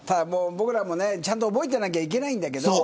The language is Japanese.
僕らもねちゃんと覚えていなきゃいけないんだけどね